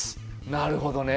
なるほどね。